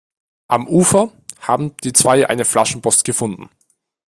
Am Ufer haben die zwei eine Flaschenpost gefunden.